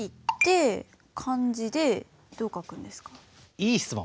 いい質問！